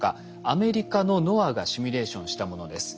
アメリカのＮＯＡＡがシミュレーションしたものです。